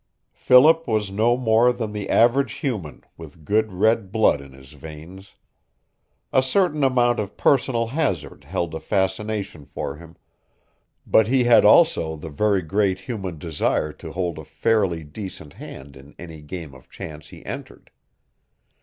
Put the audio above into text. Philip was no more than the average human with good red blood in his veins. A certain amount of personal hazard held a fascination for him, but he had also the very great human desire to hold a fairly decent hand in any game of chance he entered.